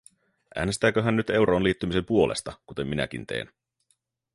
Äänestääkö hän nyt euroon liittymisen puolesta, kuten minäkin teen?